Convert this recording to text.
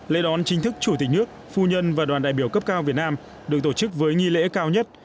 lễ đón chính thức chủ tịch nước phu nhân và đoàn đại biểu cấp cao việt nam được tổ chức với nghi lễ cao nhất